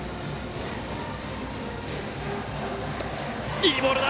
いいボールだ！